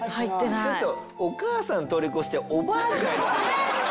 ちょっとお母さん通り越しておばあちゃん。